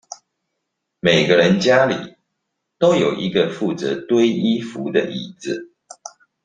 每個人家裡都有一個負責堆衣服的椅子